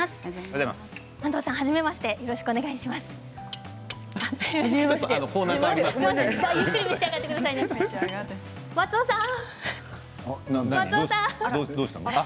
安藤さん、はじめましてよろしくお願いします。